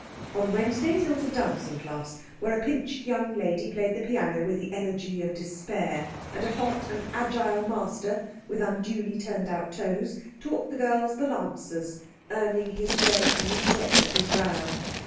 On Wednesdays there was a dancing class, where a pinched young lady played the piano with the energy of despair, and a hot and agile master with unduly turned out toes taught the girls the Lancers, earning his bread in the sweat of his brow.